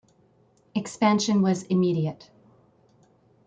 Expansion was immediate.